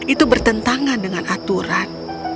itu bertentangan dengan aturan